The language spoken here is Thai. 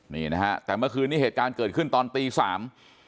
นี่นะฮะแต่เมื่อคืนนี้เหตุการณ์เกิดขึ้นตอนตีสาม